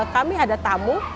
kami ada tamu